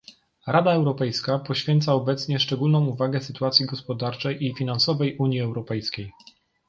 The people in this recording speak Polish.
Rada Europejska poświęca obecnie szczególną uwagę sytuacji gospodarczej i finansowej Unii Europejskiej